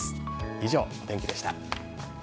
以上、お天気でした。